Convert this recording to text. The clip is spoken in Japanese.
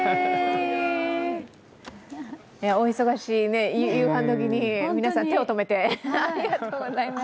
お忙しい夕飯時に皆さん、手を止めて、ありがとうございました。